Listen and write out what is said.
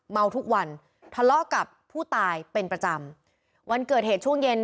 เมาทุกวันทะเลาะกับผู้ตายเป็นประจำวันเกิดเหตุช่วงเย็น